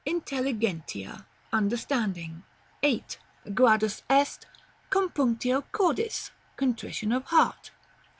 Intelligentia. Understanding. 8. " Compunctio cordis. Contrition of heart.